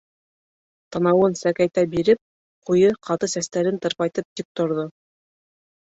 Танауын сәкәйтә биреп, ҡуйы ҡаты сәстәрен тырпайтып тик торҙо.